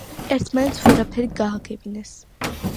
ერთმანეთს ვერაფერი გააგებინეს.